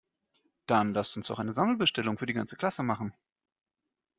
Dann lasst uns doch eine Sammelbestellung für die ganze Klasse machen!